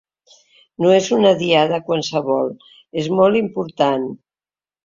No és una Diada qualsevol, és molt important.